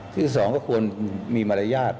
ที่สองก็ควรมีมารยาท